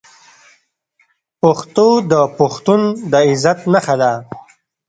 پښتو د پښتون د عزت نښه ده.